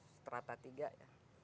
seterata tiga ya